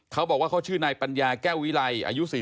เขาบอกว่าเขาชื่อนายปัญญาแก้ววิไลอายุ๔๐